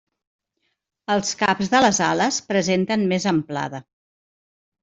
Els caps de les ales presenten més amplada.